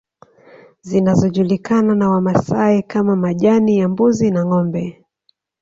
Zinazojulikana na Wamasai kama majani ya mbuzi na ngombe